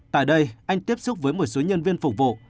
tại đây anh tiếp xúc với một số nhân viên phục vụ